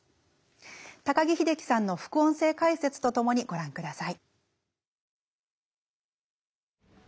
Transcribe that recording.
高木秀樹さんの副音声解説と共にご覧ください。